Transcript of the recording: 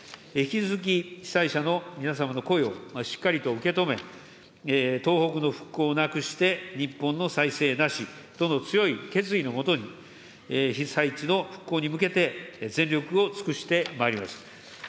引き続き被災者の皆様の声をしっかりと受け止め、東北の復興なくして、日本の再生なしとの強い決意のもとに、被災地の復興に向けて全力を尽くしてまいります。